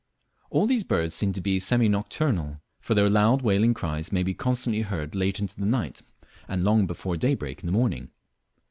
All these birds seem to be semi nocturnal, for their loud wailing cries may be constantly heard late into the night and long before daybreak in the morning.